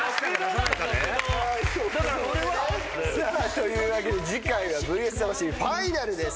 というわけで次回は『ＶＳ魂』ファイナルです。